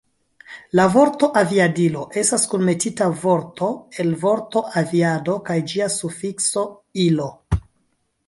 La vorto Aviadilo estas kunmetita vorto el vorto aviado kaj ĝia sufikso, -ilo.